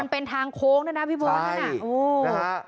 มันเป็นทางโค้งน่ะนะพี่บอสน่ะใช่โอ้โหนะฮะ